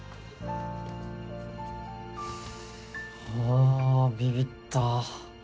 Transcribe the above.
あビビった。